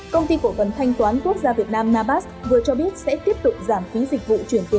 công ty cổ vấn thanh toán quốc gia việt nam nabas vừa cho biết sẽ tiếp tục giảm phí dịch vụ